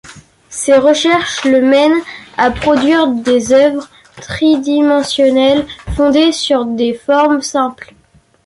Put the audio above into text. Ses recherches le mènent à produire des œuvres tridimensionnelles fondées sur des formes simples.